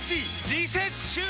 リセッシュー！